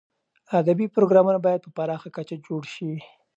ادبي پروګرامونه باید په پراخه کچه جوړ شي.